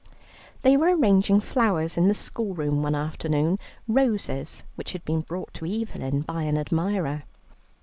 They were arranging flowers in the school room one afternoon, roses which had been brought to Evelyn by an admirer.